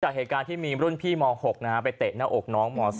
เหตุการณ์ที่มีรุ่นพี่ม๖ไปเตะหน้าอกน้องม๒